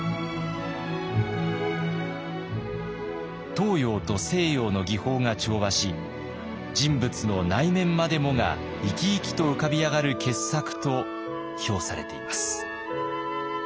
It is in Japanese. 東洋と西洋の技法が調和し人物の内面までもが生き生きと浮かび上がる傑作と評されています。